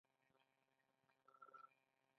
غصه د انسان عقل خوري